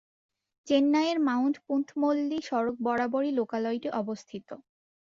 চেন্নাইয়ের মাউন্ট-পুন্তমল্লী সড়ক বরাবরই লোকালয়টি অবস্থিত।